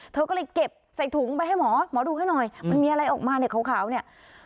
เธอก็เลยเก็บใส่ถุงไปให้หมอหมอดูให้หน่อยมันมีอะไรออกมาเนี่ยขาวเนี่ย